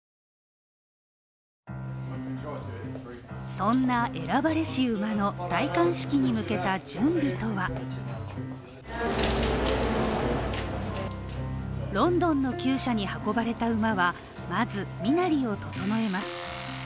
そんな選ばれし馬の、戴冠式に向けた準備とはロンドンのきゅう舎に運ばれた馬はまず身なりを整えます。